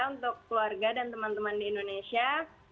untuk keluarga dan teman teman di indonesia